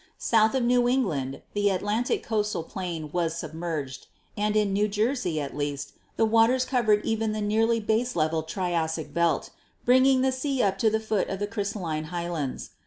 South of New England the Atlantic coastal plain was submerged, and in New Jersey, at least, the waters covered even the nearly base leveled Triassic belt, bringing the sea up to the foot of the crystal line highlands.